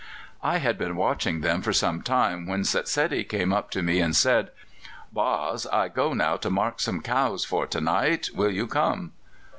"I had been watching them for some time when Setsedi came up to me and said: "'Baas, I go now to mark some cows for to night; will you come?